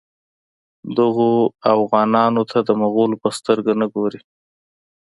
دغو اوغانانو ته د مغولو په سترګه نه ګوري.